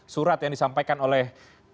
surat yang disampaikan oleh